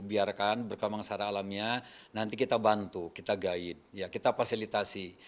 biarkan berkembang secara alamiah nanti kita bantu kita guide ya kita fasilitasi